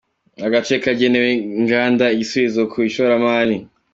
Agace kagenewe inganda, igisubizo ku ishoramari